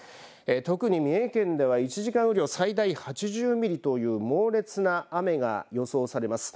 特に三重県では１時間雨量最大８０ミリという猛烈な雨が予想されます。